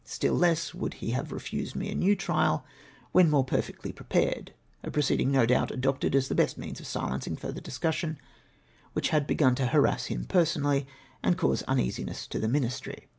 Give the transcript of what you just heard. Still less would he have refused me a new trial when more per fectly prepared ; a proceeding no doubt adopted as the l)est means of silencing further discussion, which had begun to harass him personally, and to cause uneasmess to the ministry.